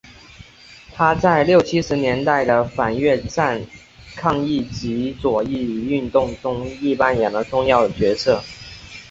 他在六七十年代的反越战抗议及左翼运动中亦扮演了重要角色。